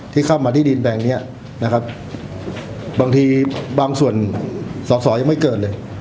ที่เข้ามาที่ดินแบงค์นี้นะครับบางทีบางส่วนสอสอยังไม่เกินเลย